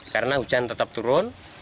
karena hujan tetap turun